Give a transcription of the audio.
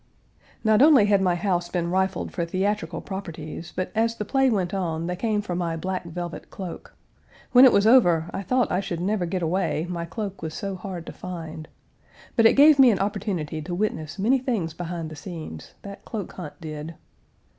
Not only had my house been rifled for theatrical properties, but as the play went on they came for my black velvet cloak. When it was over, I thought I should never get away, my cloak was so hard to find. But it gave me an opportunity to witness many things behind the scenes that cloak hunt did.